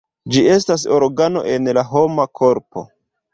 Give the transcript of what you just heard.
Ĝi estas organo en la homa korpo.